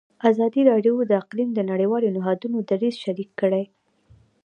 ازادي راډیو د اقلیم د نړیوالو نهادونو دریځ شریک کړی.